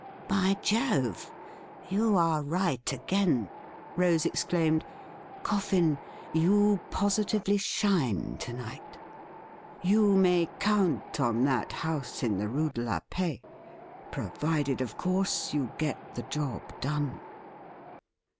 ' By Jove ! you are right again,' Rose exclaimed. * Coffin, you positively shine to night. You may count on that house in the Rue de la Paix, provided, of course, you get the job done.'